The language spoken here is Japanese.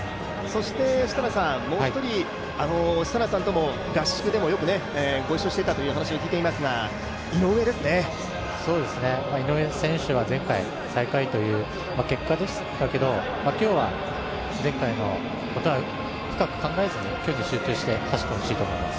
そして、もう一人、設楽さんとも合宿でもよくご一緒していたという話を聞いていますが井上選手は前回、最下位という結果でしたけど今日は前回のことは深く考えずに、競技に集中して走っていただきたいと思います。